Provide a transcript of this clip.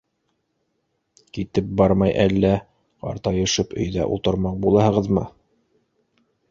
— Китеп бармай әллә, ҡартайышып өйҙә ултырмаҡ булаһығыҙмы?